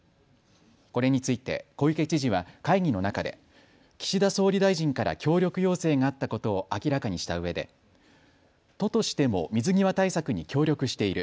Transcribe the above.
これについて小池知事は会議の中で岸田総理大臣から協力要請があったことを明らかにしたうえで都としても水際対策に協力している。